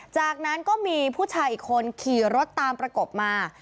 จากนั้นก็มีผู้ชายอีกคนขี่รถตามประกบมา